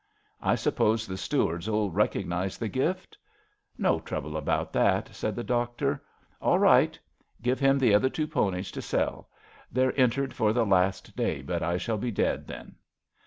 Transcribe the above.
I suppose the Stewards ^11 recognise the gift? 'No trouble about that,'' said the doctor. All right. Give him the other two ponies to sell. They're entered for the last day, but I shall be dead then.